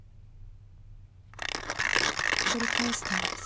取り返すためです。